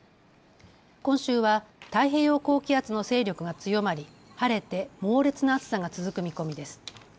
今週は太平洋高気圧の勢力が強まり、晴れて猛烈な暑さが続く見込みです。